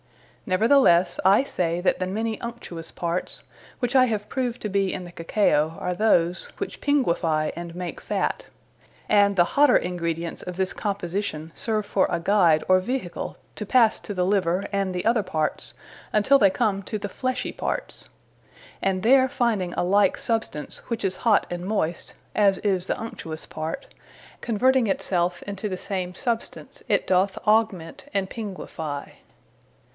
Neverthelesse, I say, that the many unctuous parts, which I have proved to be in the Cacao, are those, which pinguifie, and make fat; and the hotter ingredients of this Composition, serve for a guide, or vehicall, to passe to the Liver, and the other parts, untill they come to the fleshy parts; and there finding a like substance, which is hot and moyst, as is the unctuous part, converting it selfe into the same substance, it doth augment and pinguifie.